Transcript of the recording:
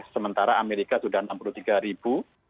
sementara amerika sudah rp enam puluh tiga